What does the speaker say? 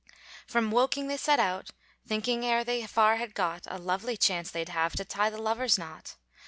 From Woking they set out, Thinking e'er they far had got, A lovely chance they'd have To tie the lovers' knot.